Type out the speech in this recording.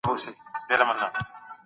ما په کوچنۍ کچه ستا په څېر پانګونه کوله.